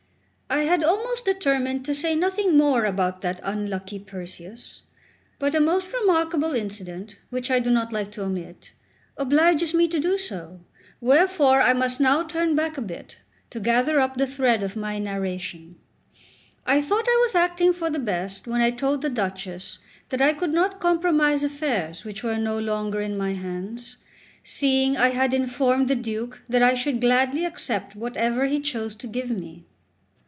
XCVII I HAD almost determined to say nothing more about that unlucky Perseus; but a most remarkable incident, which I do not like to omit, obliges me to do so; wherefore I must now turn back a bit, to gather up the thread of my narration. I thought I was acting for the best when I told the Duchess that I could not compromise affairs which were no longer in my hands, seeing I had informed the Duke that I should gladly accept whatever he chose to give me.